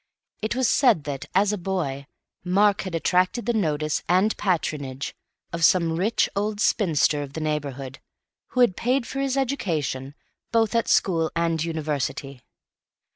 It was said that, as a boy, Mark had attracted the notice, and patronage, of some rich old spinster of the neighbourhood, who had paid for his education, both at school and university.